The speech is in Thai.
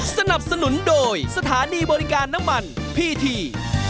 สนับสนุนโดยสถานีบริการน้ำมันพีที